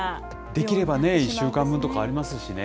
できればね、１週間分とかありますしね。